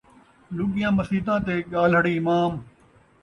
لُڳیاں مسیتاں تے ڳالھڑ امام